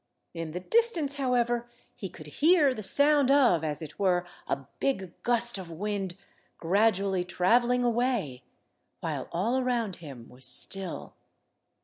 In the distance, however, he could hear the sound of, as it were, a big gust of wind gradually travelling away, while all around him was still.